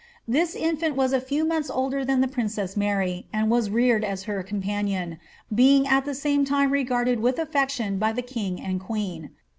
This infant was a few months older than the princess Mary, and was reared as her companion, being at the same time regarded with aflection by the king and queen.